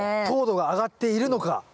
糖度が上がっているのか。